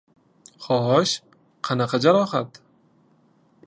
— Xo‘sh, qanaqa jarohat?